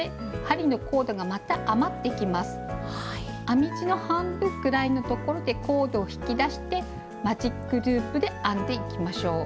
編み地の半分ぐらいのところでコードを引き出してマジックループで編んでいきましょう。